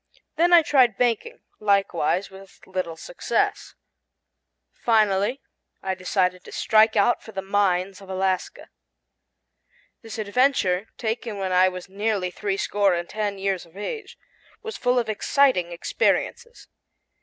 Then I tried banking, likewise with little success. Finally I decided to strike out for the mines of Alaska. This adventure, taken when I was nearly three score and ten years of age, was full of exciting experiences.